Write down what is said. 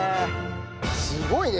すごいね。